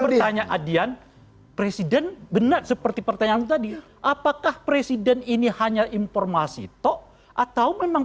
pertanyaan adian presiden benar seperti pertanyaan tadi apakah presiden ini hanya informasi tok atau memang